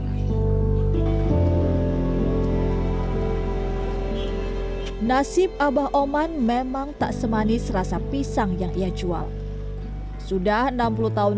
hai nasib abah oman memang tak semanis rasa pisang yang ia jual sudah enam puluh tahun